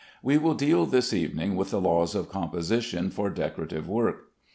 We will deal this evening with the laws of composition for decorative work.